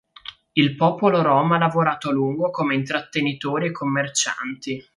Il popolo rom ha lavorato a lungo come intrattenitori e commercianti.